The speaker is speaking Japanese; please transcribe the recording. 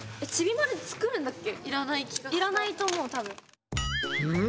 いらないと思うたぶん。